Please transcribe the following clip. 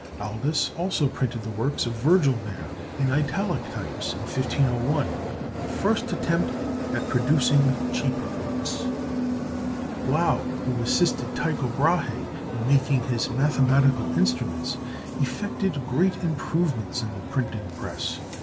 Aldus also printed the works of Virgil there, in Italic types, in 1501, the first attempt at producing cheap books. Blaeu, who assisted Tycho Brahe in making his mathematical instruments, effected great improvements in the printing press.